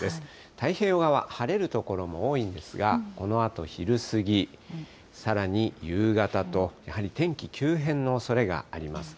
太平洋側、晴れる所も多いんですが、このあと昼過ぎ、さらに夕方と、やはり天気、急変のおそれがあります。